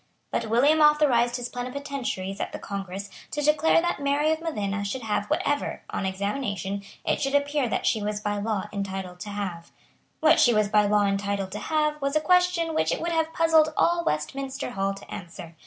But William authorised his plenipotentiaries at the Congress to declare that Mary of Modena should have whatever, on examination, it should appear that she was by law entitled to have. What she was by law entitled to have was a question which it would have puzzled all Westminster Hall to answer.